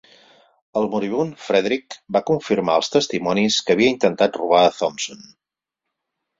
El moribund Frederick va confirmar als testimonis que havia intentat robar a Thompson.